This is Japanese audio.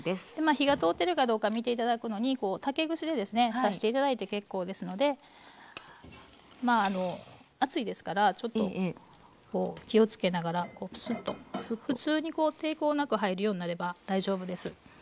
火が通ってるかどうか見て頂くのに竹串でですね刺して頂いて結構ですので熱いですからちょっと気を付けながらこうプスッと普通にこう抵抗なく入るようになれば大丈夫です。